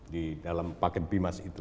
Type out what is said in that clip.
di dalam paket bimas itu